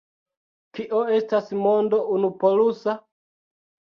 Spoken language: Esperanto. Kio estas mondo unupolusa?